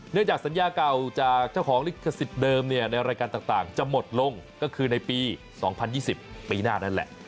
จากสัญญาเก่าจากเจ้าของลิขสิทธิ์เดิมในรายการต่างจะหมดลงก็คือในปี๒๐๒๐ปีหน้านั่นแหละ